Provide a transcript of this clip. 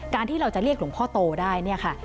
ที่เราจะเรียกหลวงพ่อโตได้เนี่ยค่ะ